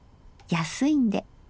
安いんで。